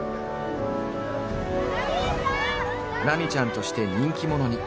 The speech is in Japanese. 「ラミちゃん」として人気者に。